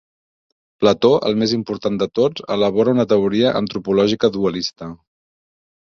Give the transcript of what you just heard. Plató, el més important de tots, elabora una teoria antropològica dualista.